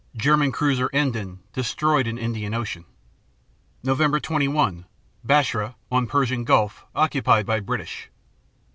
10 German cruiser "Emden" destroyed in Indian Ocean. Nov. 21 Basra, on Persian Gulf, occupied by British.